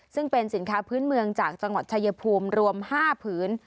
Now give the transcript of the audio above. ซึ่งเป็นสินค้าพื้นเมืองจากจังหวัดชายภูมิรวม๕ผืน